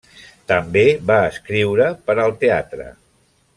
També va escriure per al teatre.